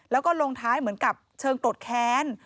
แล้วก็ลงท้ายเหมือนกับเชิงโกรธแค้น